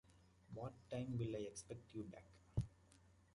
What time will I expect you back?